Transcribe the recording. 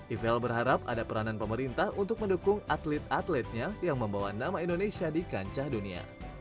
ivel berharap ada peranan pemerintah untuk mendukung atlet atletnya yang membawa nama indonesia di kancah dunia